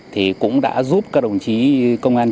thì cũng đã giúp các đồng chí công an